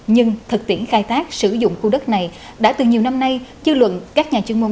nhưng thực tiễn khai tác sử dụng khu đất này đã từ nhiều năm nay chưa luận các nhà chuyên môn